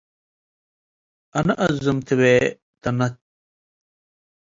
“አነ አዝም!” ትቤ ተነት።